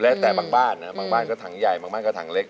แล้วแต่บางบ้านนะบางบ้านก็ถังใหญ่บางบ้านก็ถังเล็ก